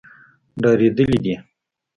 ډارېدلي دي.